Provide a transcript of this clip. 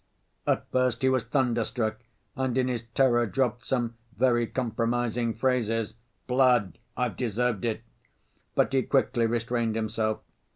"At first he was thunderstruck and in his terror dropped some very compromising phrases. 'Blood! I've deserved it!' But he quickly restrained himself.